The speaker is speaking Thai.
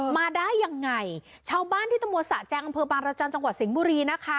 มาได้ยังไงชาวบ้านที่ตมสะแจงอำเภอบางรจันทร์จังหวัดสิงห์บุรีนะคะ